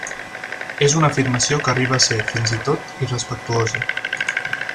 És una afirmació que arriba a ser, fins i tot, irrespectuosa.